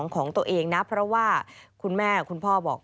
ของตัวเองนะเพราะว่าคุณแม่คุณพ่อบอก